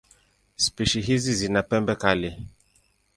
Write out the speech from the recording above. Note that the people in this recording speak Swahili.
Spishi hizi zina pembe kali.